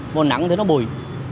mùa nắng thì nó bùi